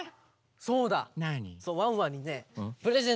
そうだね。